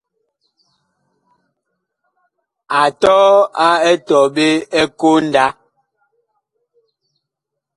A tɔɔ a etɔɓe ɛ konda.